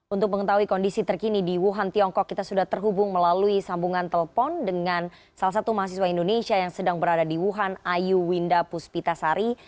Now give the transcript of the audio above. untuk mengetahui kondisi terkini di wuhan tiongkok kita sudah terhubung melalui sambungan telepon dengan salah satu mahasiswa indonesia yang sedang berada di wuhan ayu winda puspitasari